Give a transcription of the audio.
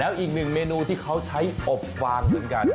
อีกหนึ่งเมนูที่เขาใช้อบฟางเหมือนกัน